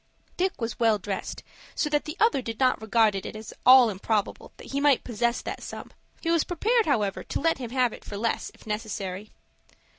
Dick was well dressed, so that the other did not regard it as at all improbable that he might possess that sum. He was prepared, however, to let him have it for less, if necessary.